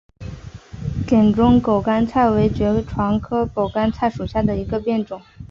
滇中狗肝菜为爵床科狗肝菜属下的一个变种。